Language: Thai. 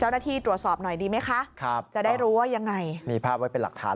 อ๋อน่าสะอาดเหลือเกิด